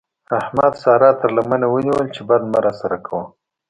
احمد سارا تر لمنه ونيوله چې بد مه راسره کوه.